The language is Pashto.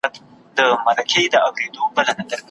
بیا ډېوې در څخه غواړم د کیږدۍ د ماښامونو